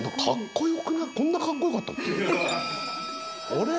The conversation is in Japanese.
あれ？